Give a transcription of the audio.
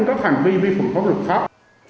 có phản vi vi phục pháp luật pháp